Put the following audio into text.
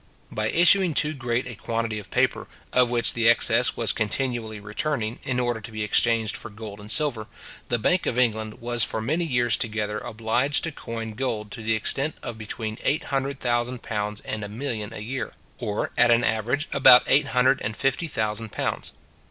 By issuing too great a quantity of paper, of which the excess was continually returning, in order to be exchanged for gold and silver, the Bank of England was for many years together obliged to coin gold to the extent of between eight hundred thousand pounds and a million a year; or, at an average, about eight hundred and fifty thousand pounds.